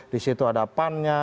disitu ada pan nya